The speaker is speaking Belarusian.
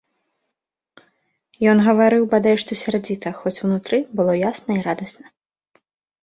Ён гаварыў бадай што сярдзіта, хоць унутры было ясна і радасна.